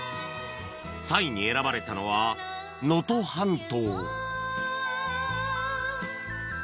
３位に選ばれたのは『能登半島』